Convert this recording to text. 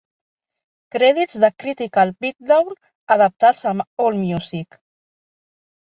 Crèdits de "Critical Beatdown" adaptats amb Allmusic.